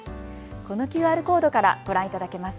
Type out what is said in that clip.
このＱＲコードからご覧いただけます。